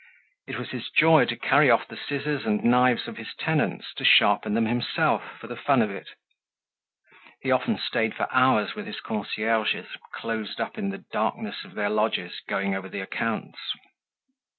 It was his joy to carry off the scissors and knives of his tenants, to sharpen them himself, for the fun of it. He often stayed for hours with his concierges, closed up in the darkness of their lodges, going over the accounts.